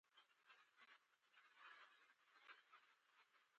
ځان پېښې د ټولنې هنداره ده او د ټولنې یو تصویر پکې پروت دی.